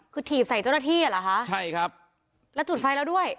คือถีบใส่เจ้าหน้าที่อ่ะเหรอคะใช่ครับแล้วจุดไฟแล้วด้วย